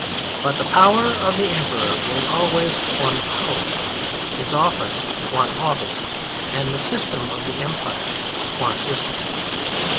But the power of the Emperor was always one power, his office one office, and the system of the Empire one system.